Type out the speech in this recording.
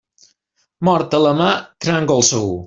Mort a la mar, tràngol segur.